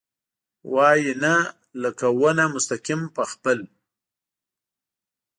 وايي ، نه ، لکه ونه مستقیم په خپل ...